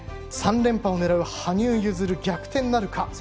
３連覇を狙う羽生結弦逆転なるか。